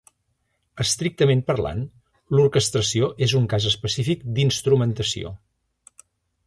Estrictament parlant, l'orquestració és un cas específic d'instrumentació.